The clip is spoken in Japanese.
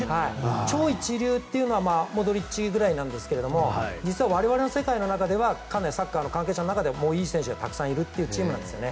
超一流というのはモドリッチぐらいなんですが実は我々の世界ではサッカー関係者の中ではかなりいい選手がたくさんいるというチームなんですよね。